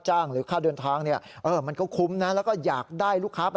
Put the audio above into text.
จะได้ไปรับไปส่งของนะครับ